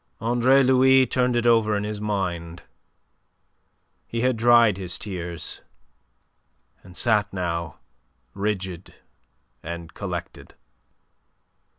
Andre Louis turned it over in his mind. He had dried his tears. And sat now rigid and collected.